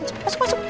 eh masuk masuk